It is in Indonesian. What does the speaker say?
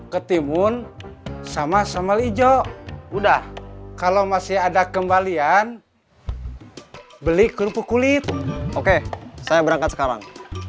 ketimun sama sambal hijau udah kalau masih ada kembalian beli kerupuk kulit oke saya berangkat sekarang